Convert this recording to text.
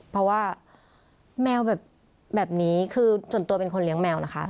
เพราะว่าแมวแบบนี้คือส่วนตัวเป็นคนเลี้ยงแมวนะคะ